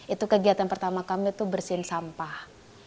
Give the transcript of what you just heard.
itu kegiatan pertama kami itu bersihin sampah